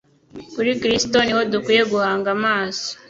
Kuri Kristo ni ho dukwiye guhanga amaso